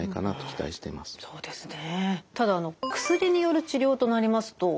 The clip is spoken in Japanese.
そうですね。